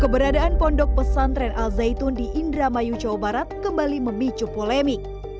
keberadaan pondok pesantren al zaitun di indramayu jawa barat kembali memicu polemik